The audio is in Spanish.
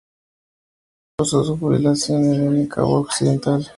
Pasó su jubilación en Elgin, Cabo Occidental.